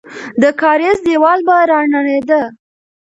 د کارېز دیوال به رانړېده.